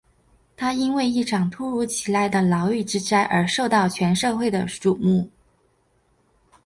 他因为一场突如其来的牢狱之灾而受到全社会的瞩目。